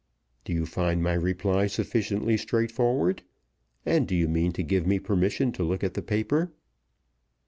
Do you find my reply sufficiently straightforward? And do you mean to give me permission to look at the paper?"